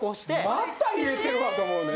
また入れてるわと思うねん。